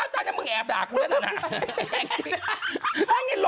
ตอนเนี่ยะมึงแอบด่ากูแล้วเหรอ